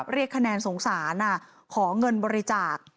เรียกคะแนนสงสารขอเงินบริจาค